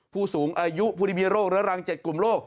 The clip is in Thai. ผู้สูงอายุผู้ที่มีโรคเรื้อรัง๗กลุ่มโรค